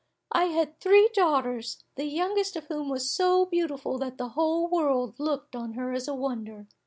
I had three daughters, the youngest of whom was so beautiful that the whole world looked on her as a wonder.